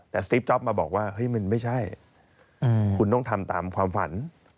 แต่ซีฟจ๊อปมาบอกว่าเฮ้ยมันไม่ใช่คุณต้องทำตามความฝัน